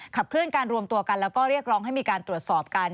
เคลื่อนการรวมตัวกันแล้วก็เรียกร้องให้มีการตรวจสอบกัน